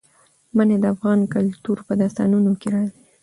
منی د افغان کلتور په داستانونو کې راځي.